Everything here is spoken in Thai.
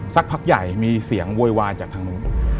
สักพักใหญ่มีเสียงโวยวายจากทางนู้น